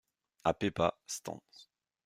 A Pépa, stances.